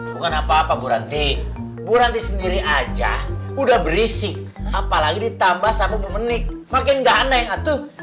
bukan apa apa bu ranti bu ranti sendiri aja udah berisik apalagi ditambah sama bu menit makin nggak aneh aduh